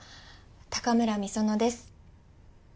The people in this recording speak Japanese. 高村美園です。